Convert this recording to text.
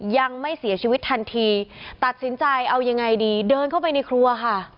ยังไม่เสียชีวิตทันทีตัดสินใจเอายังไงดีเดินเข้าไปในครัวค่ะ